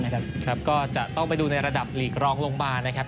นะครับก็จะต้องไปดูในระดับหลีกร้องลงบาลนะครับ